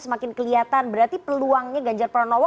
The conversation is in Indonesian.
semakin kelihatan berarti peluangnya ganjar pranowo